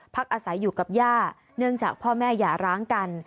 อาศัยอยู่กับย่าเนื่องจากพ่อแม่อย่าร้างกัน